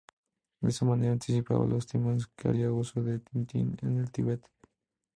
De esta manera anticipaba los temas que haría uso en "Tintín en el Tíbet".